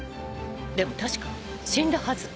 でも確か死んだはず。